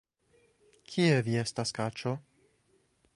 Kie vi estas, kaĉo?